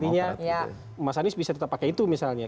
artinya mas anies bisa tetap pakai itu misalnya